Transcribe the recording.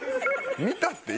見たって。